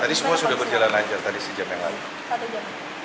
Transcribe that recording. tadi semua sudah berjalan lancar tadi sejam yang lalu